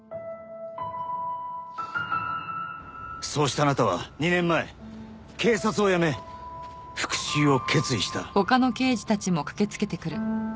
そうしてあなたは２年前警察を辞め復讐を決意した。